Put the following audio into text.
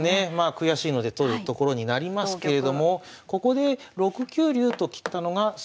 悔しいので取るところになりますけれどもここで６九竜と切ったのが鋭い手でした。